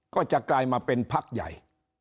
ก็จะกลายมาเป็นพักใหญ่